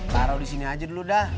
taruh di sini aja dulu dah